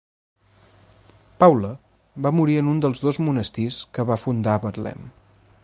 Paula va morir en un dels dos monestirs que va fundar a Betlem.